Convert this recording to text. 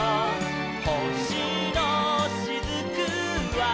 「ほしのしずくは」